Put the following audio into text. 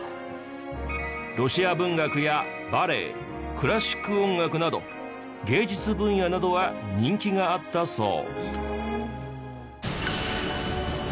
ロシア文学やバレエクラシック音楽など芸術分野などは人気があったそう。